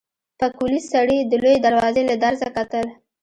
پکولي سړي د لويې دروازې له درزه کتل.